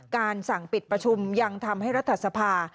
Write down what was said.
การสั่งปิดประชุมยังทำให้รัฐสภา